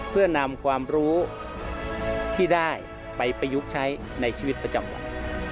เพื่อนำความรู้ที่ได้ไปประยุกต์ใช้ในชีวิตประจำวัน